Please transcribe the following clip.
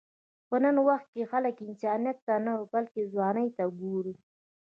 په نن وخت کې خلک انسانیت ته نه، بلکې ځوانۍ ته ګوري.